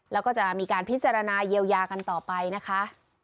แล้วก็จะมีการพิจารณาเยียวยากันต่อไปนะคะ